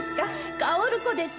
薫子ですよ！